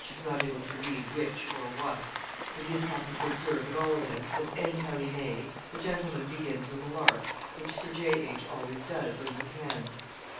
is not able to read which or what; but he is happy to observe, at all events, that, end how he may, the gentleman begins with a "lark!" which Sir J.H. always does, when he can.